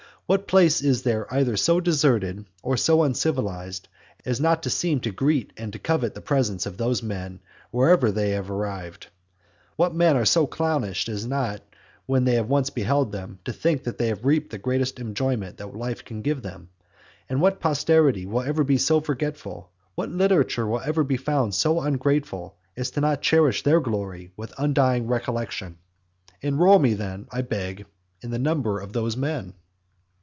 What place is there either so deserted or so uncivilized, as not to seem to greet and to covet the presence of those men wherever they have arrived? What men are so clownish as not, when they have once beheld them, to think that they have reaped the greatest enjoyment that life can give? And what posterity will be ever so forgetful, what literature will ever be found so ungrateful, as not to cherish their glory with undying recollection? Enrol me then, I beg, in the number of those men.